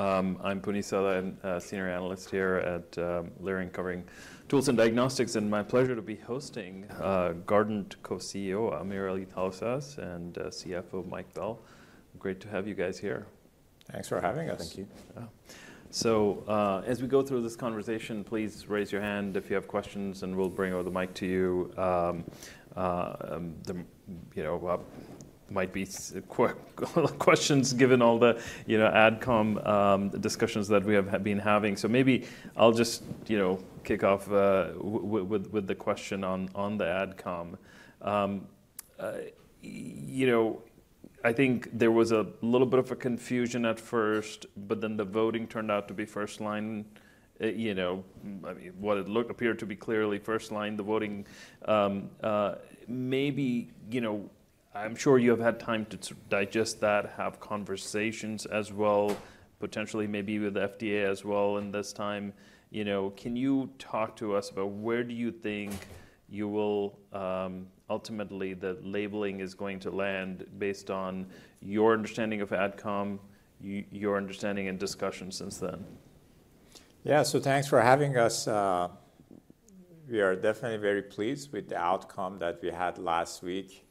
I'm Puneet Souda, senior analyst here at Leerink, covering tools and diagnostics, and my pleasure to be hosting Guardant Co-CEO AmirAli Talasaz and CFO Mike Bell. Great to have you guys here. Thanks for having us. Thank you. Yeah. So, as we go through this conversation, please raise your hand if you have questions, and we'll bring over the mic to you. You know, there might be quick questions, given all the, you know, AdCom discussions that we have been having. So maybe I'll just, you know, kick off with the question on the AdCom. You know, I think there was a little bit of a confusion at first, but then the voting turned out to be first line, you know, I mean, what it appeared to be clearly first line, the voting. Maybe, you know, I'm sure you have had time to sort of digest that, have conversations as well, potentially, maybe with FDA as well in this time. You know, can you talk to us about where do you think you will ultimately, the labeling is going to land, based on your understanding of AdCom, your understanding and discussion since then? Yeah. So thanks for having us. We are definitely very pleased with the outcome that we had last week.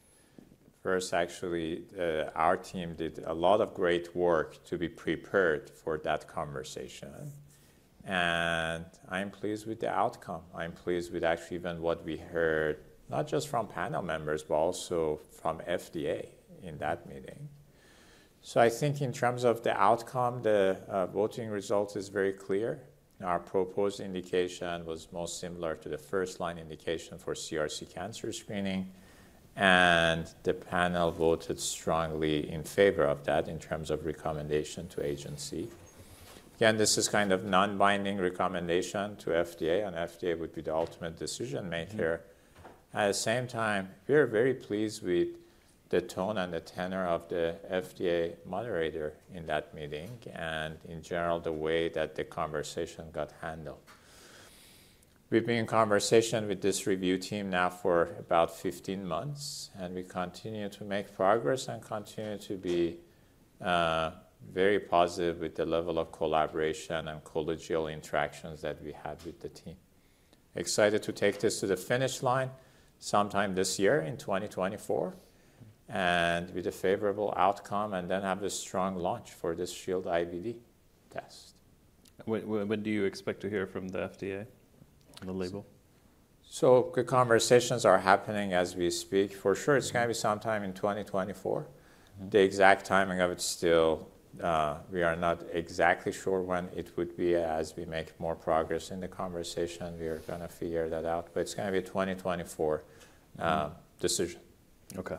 First, actually, our team did a lot of great work to be prepared for that conversation, and I'm pleased with the outcome. I'm pleased with actually even what we heard, not just from panel members, but also from FDA in that meeting. So I think in terms of the outcome, the voting result is very clear. Our proposed indication was most similar to the first line indication for CRC cancer screening, and the panel voted strongly in favor of that in terms of recommendation to agency. Again, this is kind of non-binding recommendation to FDA, and FDA would be the ultimate decision maker. Mm-hmm. At the same time, we are very pleased with the tone and the tenor of the FDA moderator in that meeting, and in general, the way that the conversation got handled. We've been in conversation with this review team now for about 15 months, and we continue to make progress and continue to be very positive with the level of collaboration and collegial interactions that we have with the team. Excited to take this to the finish line sometime this year in 2024, and with a favorable outcome, and then have a strong launch for this Shield IVD test. When do you expect to hear from the FDA on the label? The conversations are happening as we speak. Mm-hmm. For sure, it's gonna be sometime in 2024. Mm-hmm. The exact timing of it still, we are not exactly sure when it would be. As we make more progress in the conversation, we are gonna figure that out, but it's gonna be a 2024, Mm-hmm... decision. Okay.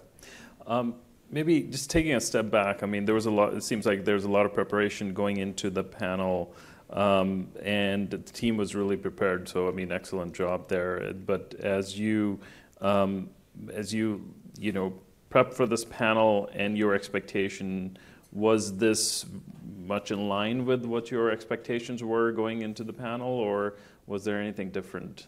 Maybe just taking a step back, I mean, there was a lot, it seems like there was a lot of preparation going into the panel, and the team was really prepared, so, I mean, excellent job there. But as you, as you, you know, prep for this panel and your expectation, was this much in line with what your expectations were going into the panel, or was there anything different?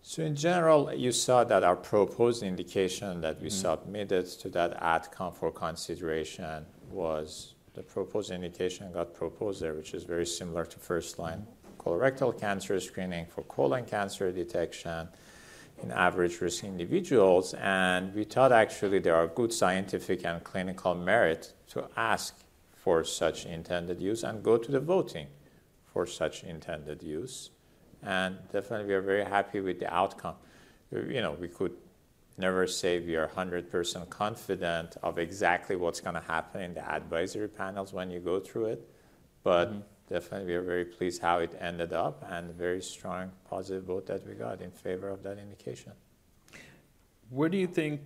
So in general, you saw that our proposed indication that we- Mm-hmm... submitted to that AdCom for consideration was the proposed indication got proposed there, which is very similar to first-line colorectal cancer screening for colon cancer detection in average-risk individuals. And we thought actually there are good scientific and clinical merit to ask for such intended use and go to the voting for such intended use, and definitely, we are very happy with the outcome. You know, we could never say we are 100% confident of exactly what's gonna happen in the advisory panels when you go through it, but- Mm-hmm... definitely, we are very pleased how it ended up and very strong positive vote that we got in favor of that indication. Where do you think,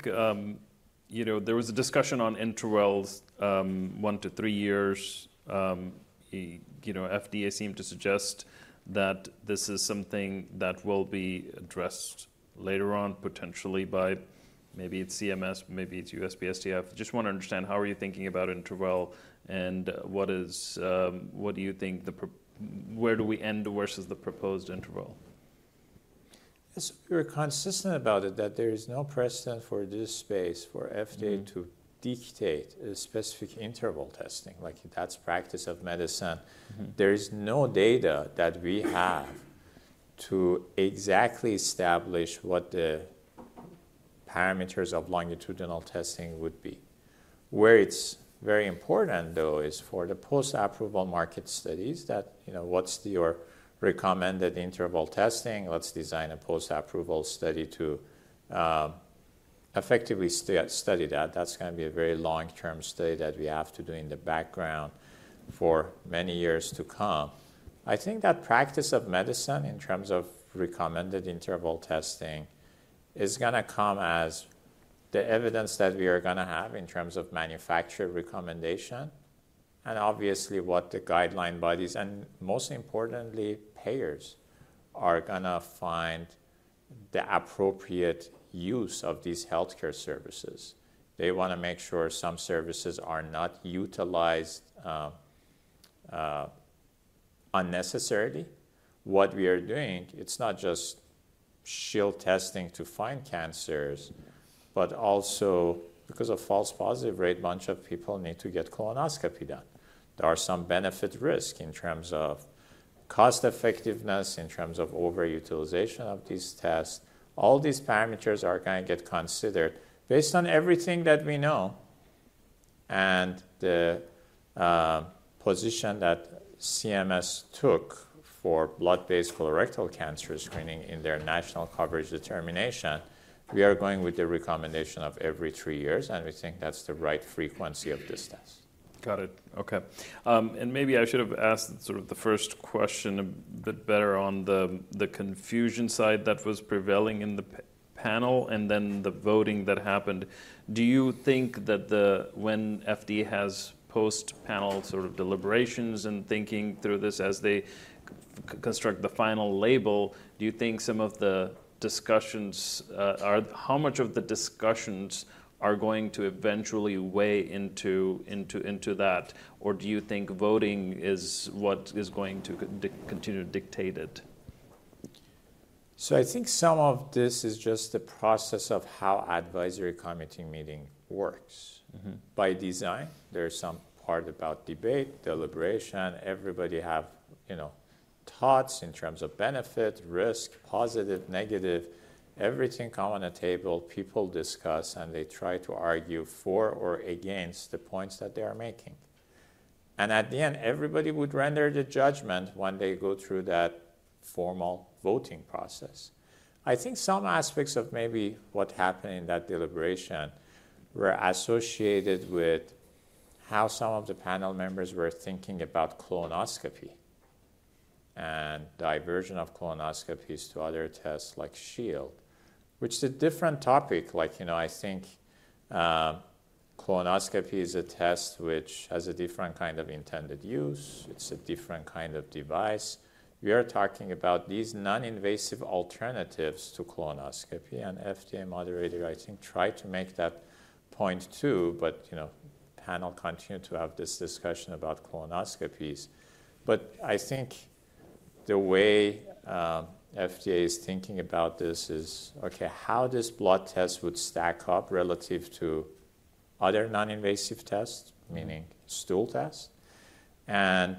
You know, there was a discussion on intervals, 1-3 years. You know, FDA seemed to suggest that this is something that will be addressed later on, potentially by, maybe it's CMS, maybe it's USPSTF. Just want to understand, how are you thinking about interval, and what is, what do you think where do we end versus the proposed interval? Yes, we're consistent about it, that there is no precedent for this space for FDA. Mm-hmm... to dictate a specific interval testing, like that's practice of medicine. Mm-hmm. There is no data that we have to exactly establish what the parameters of longitudinal testing would be. Where it's very important, though, is for the post-approval market studies that, you know, what's your recommended interval testing? Let's design a post-approval study to effectively study that. That's gonna be a very long-term study that we have to do in the background for many years to come. I think that practice of medicine, in terms of recommended interval testing, is gonna come as the evidence that we are gonna have in terms of manufacturer recommendation, and obviously, what the guideline bodies and, most importantly, payers, are gonna find the appropriate use of these healthcare services. They wanna make sure some services are not utilized unnecessarily. What we are doing, it's not just Shield testing to find cancers, but also because of false positive rate, bunch of people need to get colonoscopy done. There are some benefit-risk in terms of cost-effectiveness, in terms of overutilization of these tests. All these parameters are gonna get considered. Based on everything that we know, and the position that CMS took for blood-based colorectal cancer screening in their National Coverage Determination, we are going with the recommendation of every three years, and we think that's the right frequency of this test. Got it. Okay. And maybe I should have asked sort of the first question a bit better on the confusion side that was prevailing in the panel and then the voting that happened. Do you think that when FDA has post-panel sort of deliberations and thinking through this as they construct the final label, do you think some of the discussions are—how much of the discussions are going to eventually weigh into that? Or do you think voting is what is going to continue to dictate it? I think some of this is just the process of how advisory committee meeting works. Mm-hmm. By design, there is some part about debate, deliberation, everybody have, you know, thoughts in terms of benefit, risk, positive, negative, everything come on the table, people discuss, and they try to argue for or against the points that they are making. At the end, everybody would render the judgment when they go through that formal voting process. I think some aspects of maybe what happened in that deliberation were associated with how some of the panel members were thinking about colonoscopy and diversion of colonoscopies to other tests like Shield, which is a different topic. Like, you know, I think, colonoscopy is a test which has a different kind of intended use. It's a different kind of device. We are talking about these non-invasive alternatives to colonoscopy, and FDA moderator, I think, tried to make that point, too, but, you know, panel continued to have this discussion about colonoscopies. But I think the way, FDA is thinking about this is, okay, how this blood test would stack up relative to other non-invasive tests- Mm... meaning stool tests. And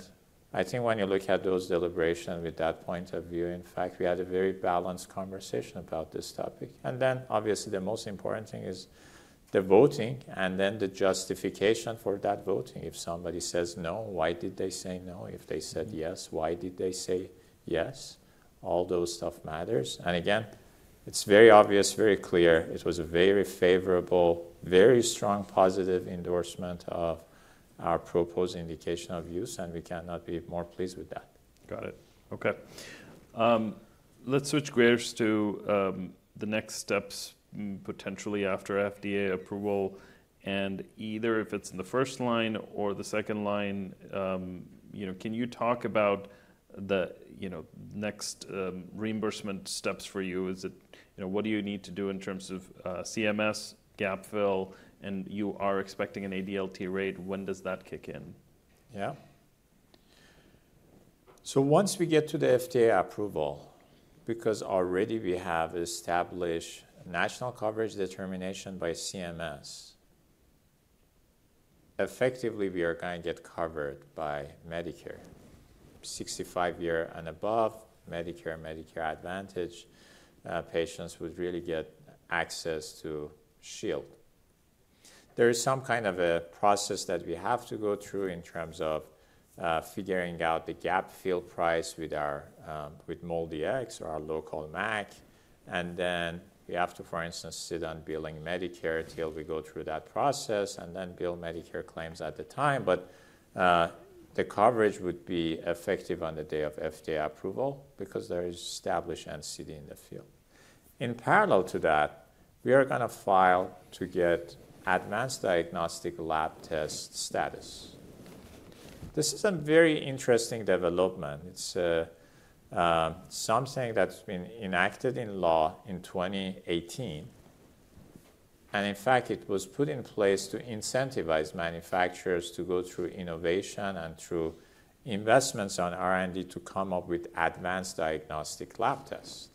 I think when you look at those deliberations with that point of view, in fact, we had a very balanced conversation about this topic. And then, obviously, the most important thing is the voting and then the justification for that voting. If somebody says no, why did they say no? If they said yes, why did they say yes? All those stuff matters. And again, it's very obvious, very clear, it was a very favorable, very strong positive endorsement of our proposed indication of use, and we cannot be more pleased with that. Got it. Okay. Let's switch gears to the next steps, potentially after FDA approval, and either if it's in the first line or the second line, you know, can you talk about the, you know, next, reimbursement steps for you? You know, what do you need to do in terms of, CMS, gap fill, and you are expecting an ADLT rate, when does that kick in? Yeah. So once we get to the FDA approval, because already we have established national coverage determination by CMS, effectively, we are gonna get covered by Medicare. 65-year and above, Medicare, Medicare Advantage, patients would really get access to Shield. There is some kind of a process that we have to go through in terms of, figuring out the gap fill price with our, with MolDX or our local MAC, and then we have to, for instance, sit on billing Medicare till we go through that process, and then bill Medicare claims at the time. But, the coverage would be effective on the day of FDA approval because there is established NCD in the field. In parallel to that, we are gonna file to get advanced diagnostic lab test status. This is a very interesting development. It's a something that's been enacted in law in 2018, and in fact, it was put in place to incentivize manufacturers to go through innovation and through investments on R&D to come up with advanced diagnostic lab test.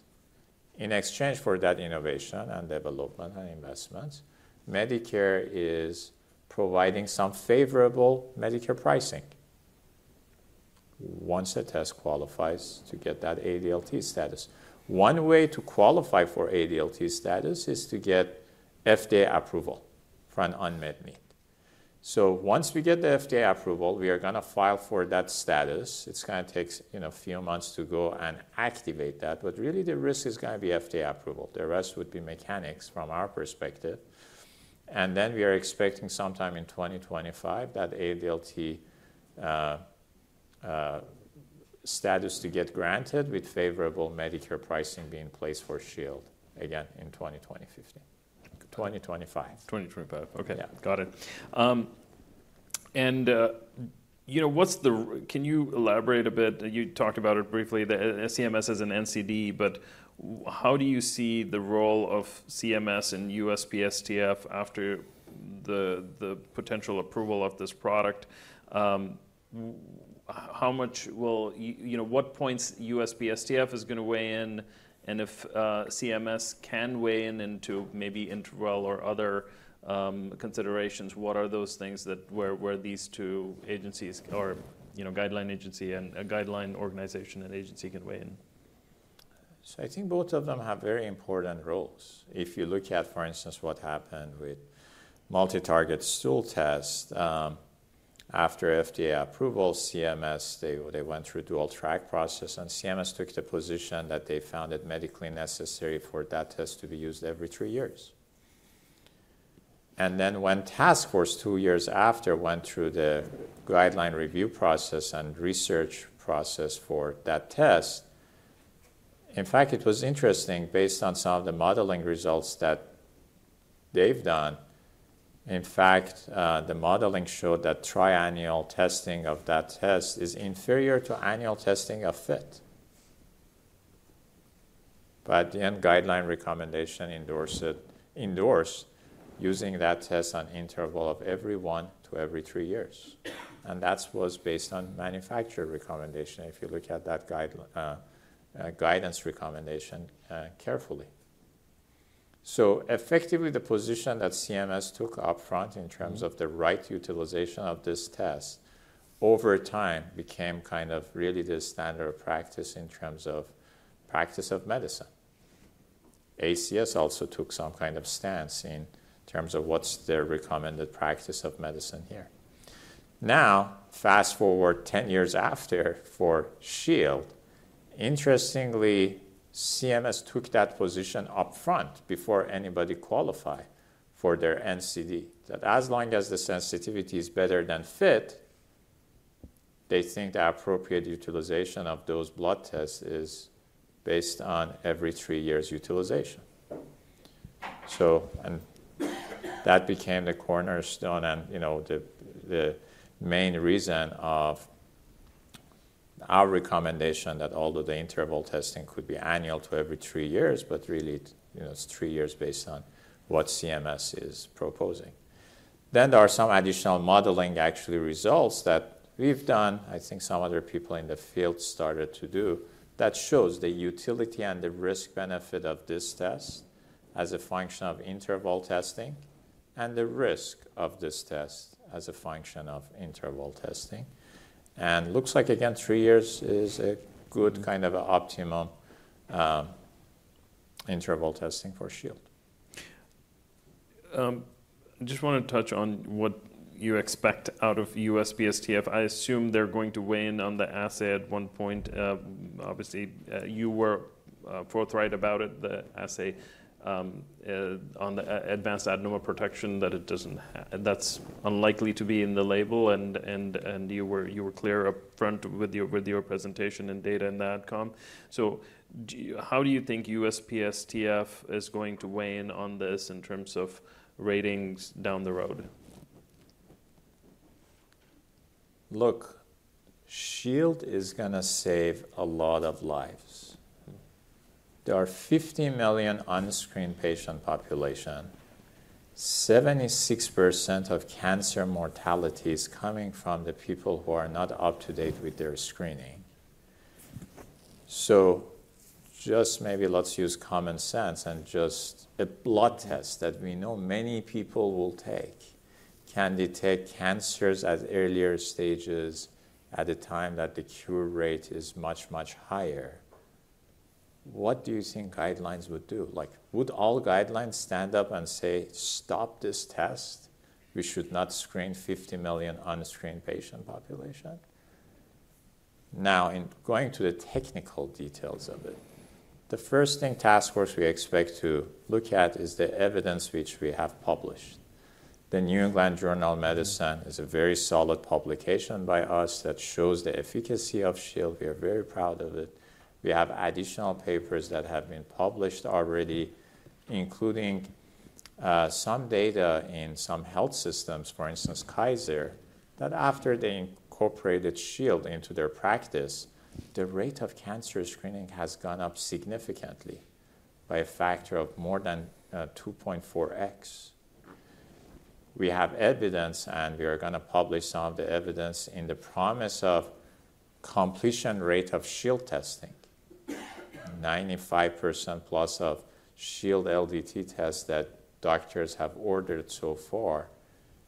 In exchange for that innovation and development and investment, Medicare is providing some favorable Medicare pricing once a test qualifies to get that ADLT status. One way to qualify for ADLT status is to get FDA approval for an unmet need. So once we get the FDA approval, we are gonna file for that status. It's gonna take, you know, a few months to go and activate that, but really the risk is gonna be FDA approval. The rest would be mechanics from our perspective, and then we are expecting sometime in 2025, that ADLT status to get granted with favorable Medicare pricing being in place for Shield again in 2025. 2025. 2025. Yeah. Okay, got it. And, you know, what's the... Can you elaborate a bit? You talked about it briefly, the, CMS has an NCD, but how do you see the role of CMS and USPSTF after... the, the potential approval of this product, how much will you know, what points USPSTF is going to weigh in? And if, CMS can weigh in into maybe interval or other, considerations, what are those things that, where, where these two agencies are, you know, guideline agency and a guideline organization and agency can weigh in? So I think both of them have very important roles. If you look at, for instance, what happened with multi-target stool test, after FDA approval, CMS, they went through dual track process, and CMS took the position that they found it medically necessary for that test to be used every three years. And then when Task Force, two years after, went through the guideline review process and research process for that test. In fact, it was interesting, based on some of the modeling results that they've done, in fact, the modeling showed that triennial testing of that test is inferior to annual testing of FIT. But at the end, guideline recommendation endorsed using that test on interval of every one to every three years, and that was based on manufacturer recommendation, if you look at that guidance recommendation, carefully. So effectively, the position that CMS took upfront in terms of the right utilization of this test, over time, became kind of really the standard practice in terms of practice of medicine. ACS also took some kind of stance in terms of what's their recommended practice of medicine here. Now, fast-forward 10 years after for Shield, interestingly, CMS took that position upfront before anybody qualify for their NCD, that as long as the sensitivity is better than FIT, they think the appropriate utilization of those blood tests is based on every 3 years utilization. So, and that became the cornerstone and, you know, the main reason of our recommendation that although the interval testing could be annual to every 3 years, but really, you know, it's 3 years based on what CMS is proposing. Then there are some additional modeling, actually, results that we've done, I think some other people in the field started to do, that shows the utility and the risk-benefit of this test as a function of interval testing and the risk of this test as a function of interval testing. And looks like, again, three years is a good kind of a optimum interval testing for Shield. Just want to touch on what you expect out of USPSTF. I assume they're going to weigh in on the assay at one point. Obviously, you were forthright about it, the assay, on the advanced adenoma protection, that it doesn't, that's unlikely to be in the label, and you were clear upfront with your presentation and data. So how do you think USPSTF is going to weigh in on this in terms of ratings down the road? Look, Shield is gonna save a lot of lives. There are 50 million unscreened patient population. 76% of cancer mortality is coming from the people who are not up-to-date with their screening. So just maybe let's use common sense, and just a blood test that we know many people will take, can detect cancers at earlier stages at the time that the cure rate is much, much higher. What do you think guidelines would do? Like, would all guidelines stand up and say: "Stop this test, we should not screen 50 million unscreened patient population"? Now, in going to the technical details of it, the first thing Task Force we expect to look at is the evidence which we have published. The New England Journal of Medicine is a very solid publication by us that shows the efficacy of Shield. We are very proud of it. We have additional papers that have been published already, including some data in some health systems, for instance, Kaiser, that after they incorporated Shield into their practice, the rate of cancer screening has gone up significantly by a factor of more than 2.4x. We have evidence, and we are gonna publish some of the evidence in the promise of completion rate of Shield testing. 95%+ of Shield LDT tests that doctors have ordered so far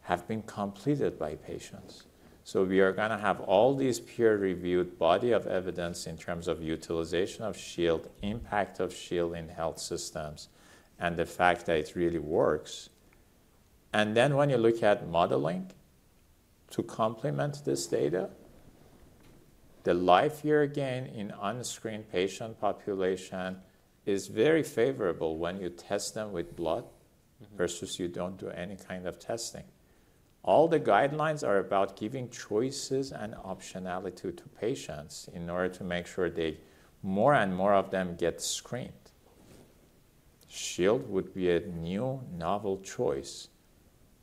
have been completed by patients. So we are gonna have all these peer-reviewed body of evidence in terms of utilization of Shield, impact of Shield in health systems, and the fact that it really works. And then when you look at modeling to complement this data, the life year again in unscreened patient population is very favorable when you test them with blood- Mm-hmm. versus you don't do any kind of testing. All the guidelines are about giving choices and optionality to patients in order to make sure they, more and more of them get screened. Shield would be a new, novel choice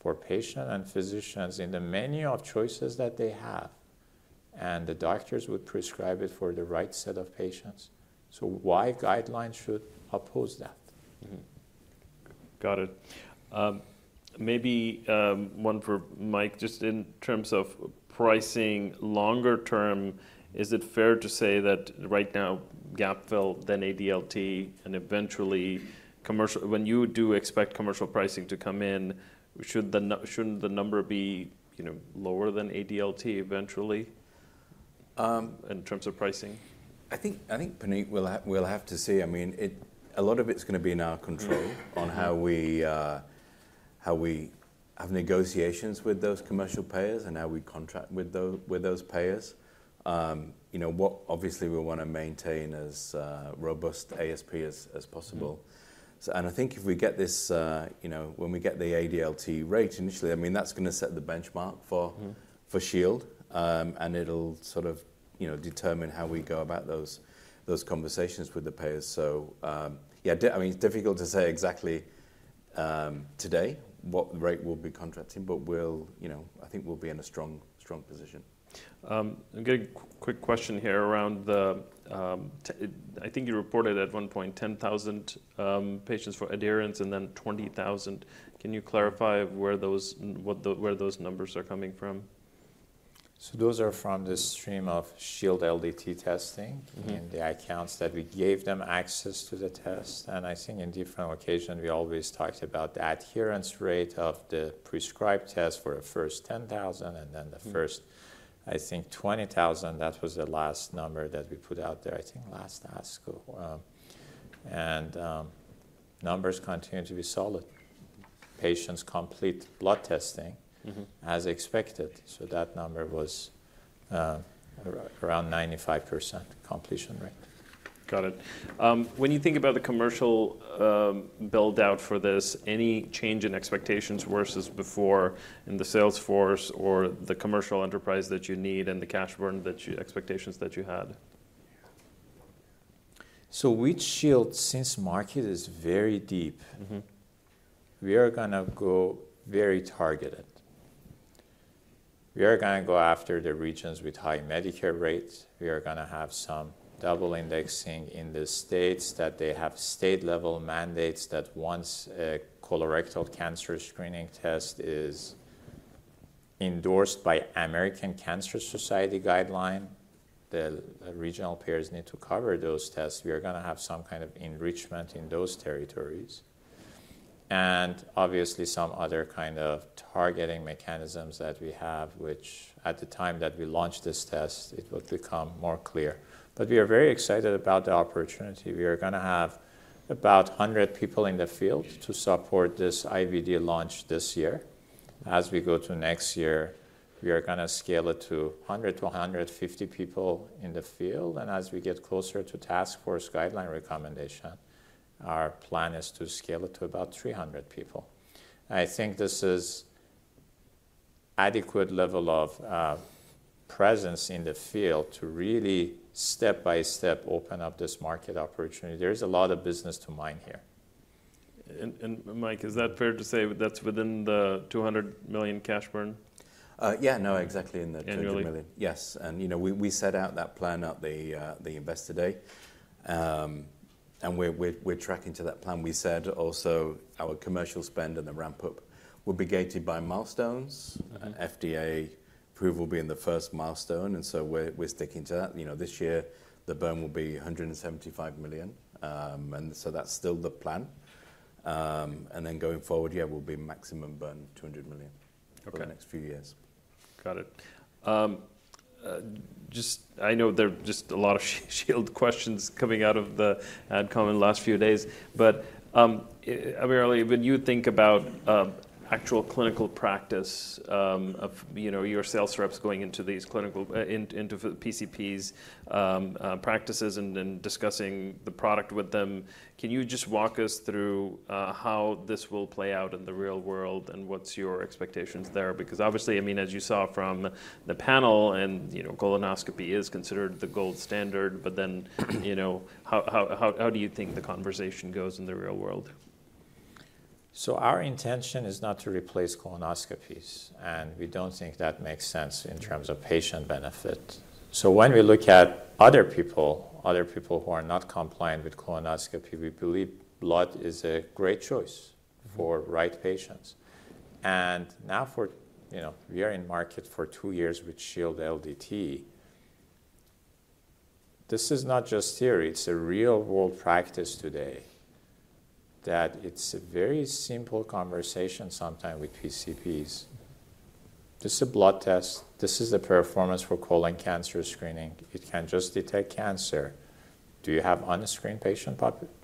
for patient and physicians in the menu of choices that they have... and the doctors would prescribe it for the right set of patients. So why guidelines should oppose that? Mm-hmm. Got it. Maybe, one for Mike, just in terms of pricing longer term, is it fair to say that right now, gap fill, then ADLT, and eventually commercial—when you do expect commercial pricing to come in, should the number be, you know, lower than ADLT eventually? Um. In terms of pricing. I think, Puneet, we'll have to see. I mean, it- a lot of it's gonna be in our control- Mm. - on how we have negotiations with those commercial payers and how we contract with those payers. You know, obviously, we want to maintain as robust ASP as possible. Mm-hmm. I think if we get this, you know, when we get the ADLT rate initially, I mean, that's gonna set the benchmark for- Mm... for Shield. And it'll sort of, you know, determine how we go about those conversations with the payers. So, yeah, I mean, it's difficult to say exactly today what the rate we'll be contracting, but we'll, you know, I think we'll be in a strong position. A good quick question here around the, I think you reported at one point, 10,000 patients for adherence and then 20,000. Can you clarify where those numbers are coming from? So those are from the stream of Shield LDT testing- Mm-hmm... and the accounts that we gave them access to the test. And I think in different occasion, we always talked about the adherence rate of the prescribed test for the first 10,000, and then the- Mm... first, I think, 20,000. That was the last number that we put out there, I think, last ASCO. Numbers continue to be solid. Patients complete blood testing- Mm-hmm... as expected, so that number was around 95% completion rate. Got it. When you think about the commercial build-out for this, any change in expectations versus before in the sales force or the commercial enterprise that you need and the cash burn expectations that you had? So with Shield, since market is very deep- Mm-hmm... we are gonna go very targeted. We are gonna go after the regions with high Medicare rates. We are gonna have some double indexing in the states that they have state-level mandates that once a colorectal cancer screening test is endorsed by American Cancer Society guideline, the regional payers need to cover those tests. We are gonna have some kind of enrichment in those territories, and obviously, some other kind of targeting mechanisms that we have, which at the time that we launch this test, it will become more clear. But we are very excited about the opportunity. We are gonna have about 100 people in the field to support this IVD launch this year. As we go to next year, we are gonna scale it to 100 to 150 people in the field, and as we get closer to Task Force guideline recommendation, our plan is to scale it to about 300 people. I think this is adequate level of presence in the field to really, step by step, open up this market opportunity. There is a lot of business to mine here. And, Mike, is that fair to say that's within the $200 million cash burn? Yeah, no, exactly in the $20 million. Annually? Yes. And, you know, we, we set out that plan at the, the investor day. And we're, we're, we're tracking to that plan. We said also our commercial spend and the ramp-up will be gated by milestones- Mm-hmm... and FDA approval will be in the first milestone, and so we're sticking to that. You know, this year, the burn will be $175 million. And so that's still the plan. And then going forward, yeah, will be maximum burn, $200 million- Okay... for the next few years. Got it. Just, I know there are just a lot of Shield questions coming out of the AdCom in the last few days, but, AmirAli, when you think about actual clinical practice of, you know, your sales reps going into these clinical into PCPs practices and then discussing the product with them, can you just walk us through how this will play out in the real world, and what's your expectations there? Because obviously, I mean, as you saw from the panel and, you know, colonoscopy is considered the gold standard, but then you know, how do you think the conversation goes in the real world? So our intention is not to replace colonoscopies, and we don't think that makes sense in terms of patient benefit. So when we look at other people, other people who are not compliant with colonoscopy, we believe blood is a great choice for right patients. And now for, you know, we are in market for 2 years with Shield LDT. This is not just theory, it's a real-world practice today, that it's a very simple conversation sometimes with PCPs. This is a blood test. This is the performance for colon cancer screening. It can just detect cancer. Do you have unscreened patient,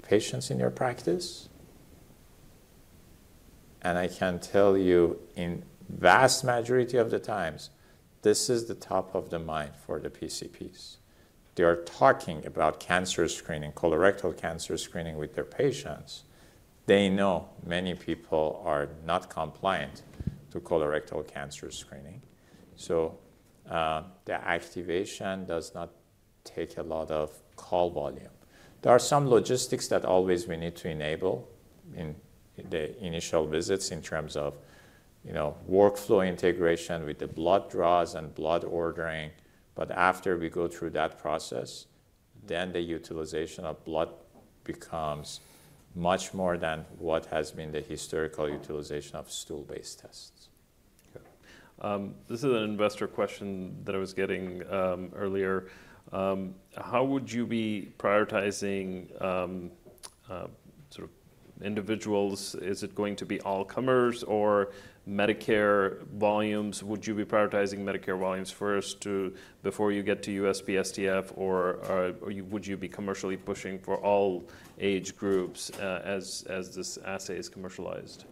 patients in your practice? And I can tell you, in vast majority of the times, this is the top of the mind for the PCPs. They are talking about cancer screening, colorectal cancer screening with their patients. They know many people are not compliant to colorectal cancer screening. So, the activation does not take a lot of call volume. There are some logistics that always we need to enable in, in the initial visits in terms of, you know, workflow integration with the blood draws and blood ordering, but after we go through that process, then the utilization of blood becomes much more than what has been the historical utilization of stool-based tests. Okay. This is an investor question that I was getting earlier. How would you be prioritizing sort of individuals? Is it going to be all comers or Medicare volumes? Would you be prioritizing Medicare volumes first before you get to USPSTF, or would you be commercially pushing for all age groups, as this assay is commercialized?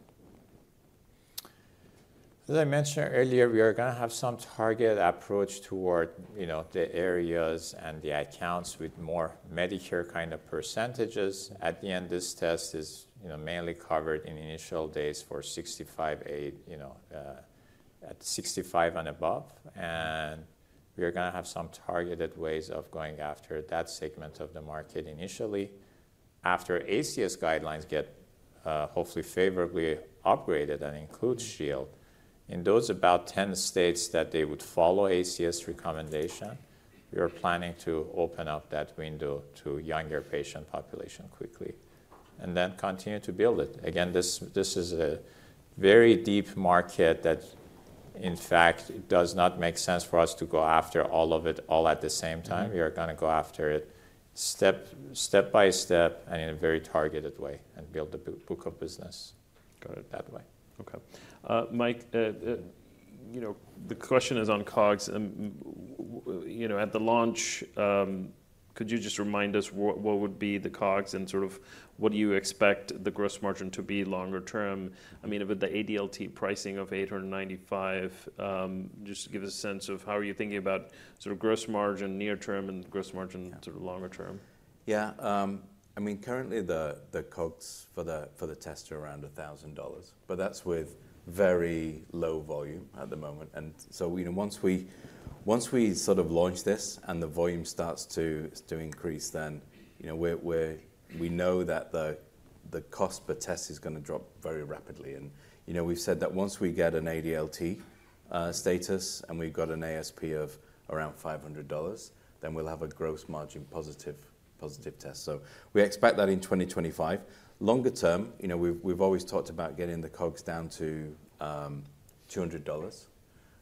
As I mentioned earlier, we are gonna have some targeted approach toward, you know, the areas and the accounts with more Medicare kind of percentages. At the end, this test is, you know, mainly covered in initial days for 65 and, you know, at 65 and above, and we are gonna have some targeted ways of going after that segment of the market initially. After ACS guidelines get, hopefully favorably upgraded and include Shield, in those about 10 states that they would follow ACS recommendation, we are planning to open up that window to younger patient population quickly, and then continue to build it. Again, this is a very deep market that, in fact, does not make sense for us to go after all of it, all at the same time. Mm-hmm. We are gonna go after it step by step and in a very targeted way and build a book of business. Got it that way. Okay. Mike, you know, the question is on COGS and, you know, at the launch, could you just remind us what would be the COGS and sort of, what do you expect the gross margin to be longer term? I mean, with the ADLT pricing of $895, just give us a sense of how are you thinking about sort of gross margin near term and gross margin- Yeah... sort of longer term? Yeah, I mean, currently the COGS for the test are around $1,000, but that's with very low volume at the moment. And so, you know, once we sort of launch this and the volume starts to increase, then, you know, we know that the cost per test is gonna drop very rapidly. And, you know, we've said that once we get an ADLT status, and we've got an ASP of around $500, then we'll have a gross margin positive test. So we expect that in 2025. Longer term, you know, we've always talked about getting the COGS down to $200.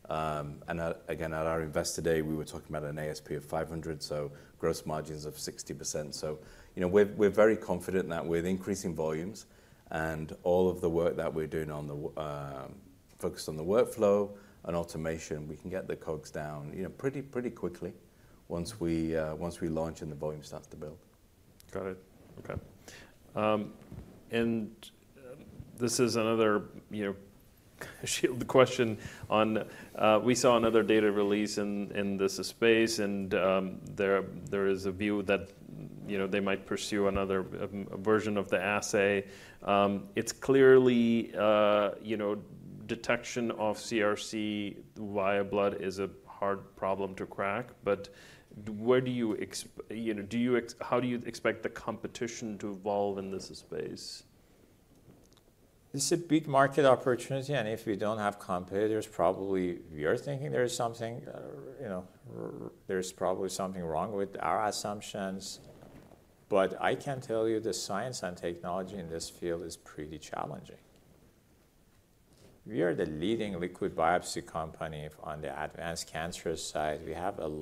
And again at our Investor Day, we were talking about an ASP of $500, so gross margins of 60%. So, you know, we're very confident that with increasing volumes and all of the work that we're doing focused on the workflow and automation, we can get the COGS down, you know, pretty, pretty quickly once we once we launch and the volume starts to build. Got it. Okay. And this is another, you know, Shield question on, we saw another data release in this space, and, there is a view that, you know, they might pursue another version of the assay. It's clearly, you know, detection of CRC via blood is a hard problem to crack, but where do you, you know, expect the competition to evolve in this space? This a big market opportunity, and if you don't have competitors, probably we are thinking there is something, you know, there's probably something wrong with our assumptions. But I can tell you the science and technology in this field is pretty challenging. We are the leading liquid biopsy company on the advanced cancer side. We have a lot-